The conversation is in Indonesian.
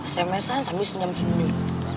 sms an sampe senyum senyum